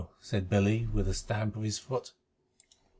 said Billy, with a stamp of his foot.